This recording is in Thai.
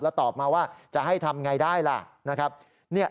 แล้วตอบมาว่าจะให้ทำอย่างไรได้ล่ะ